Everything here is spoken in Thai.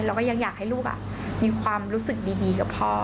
เราก็ยังอยากให้ลูกมีความรู้สึกดีกับพ่อ